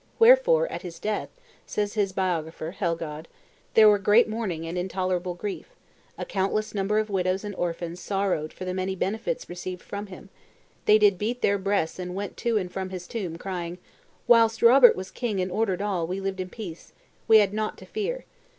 "Wherefore at his death," says his biographer Helgaud, "there were great mourning and intolerable grief; a countless number of widows and orphans sorrowed for the many benefits received from him; they did beat their breasts and went to and from his tomb, crying, 'Whilst Robert was king and ordered all, we lived in peace, we had nought to fear.